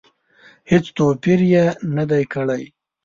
هېڅ توپیر یې نه دی کړی.